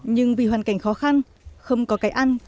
nhưng vì hoàn cảnh khó khăn không có cái ăn